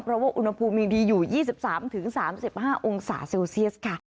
เพราะว่าอุณหภูมิยังดีอยู่๒๓๓๕องศาเซลเซียสค่ะ